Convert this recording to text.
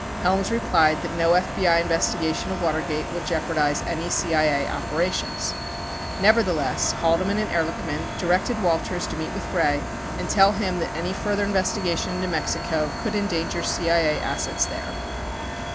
Helms replied that no FBI investigation of Watergate would jeopar dize anv CIA operations. Nevertheless, Haldeman and Ehrlichman directed Walters to meet with Gray and tell him that any further investigation into Mexico could endanger CIA assets there.